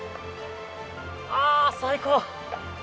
あ、最高。